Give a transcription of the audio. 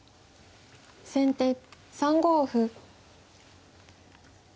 先手３五歩。